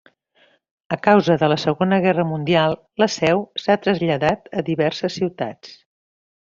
A causa de la Segona Guerra Mundial la seu s'ha traslladat a diverses ciutats.